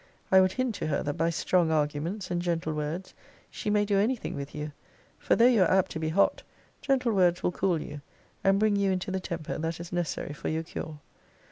I would hint to her, that by strong arguments, and gentle words, she may do any thing with you; for though you are apt to be hot, gentle words will cool you, and bring you into the temper that is necessary for your cure.